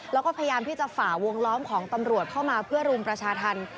แล้วก็พยายามที่จะฝ่าวงล้อมของตำรวจเข้ามาเพื่อรุมประชาธรรม